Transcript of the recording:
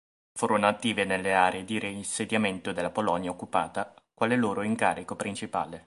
Furono attive nelle aree di reinsediamento della Polonia occupata, quale loro incarico principale.